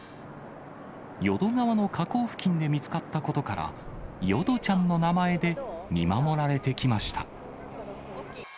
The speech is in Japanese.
淀川の河口付近で見つかったことから、よどちゃんの名前で見守られてきました。